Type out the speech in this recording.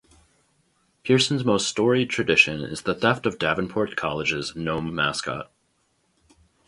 Pierson's most storied tradition is the theft of Davenport College's gnome mascot.